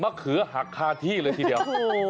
เขือหักคาที่เลยทีเดียว